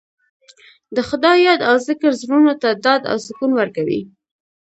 د خدای یاد او ذکر زړونو ته ډاډ او سکون ورکوي.